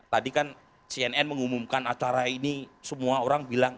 tadi kan cnn mengumumkan acara ini semua orang bilang